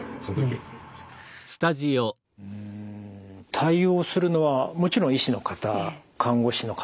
対応するのはもちろん医師の方看護師の方。